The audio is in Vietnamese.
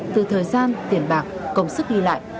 từ thời gian tiền bạc công sức đi lại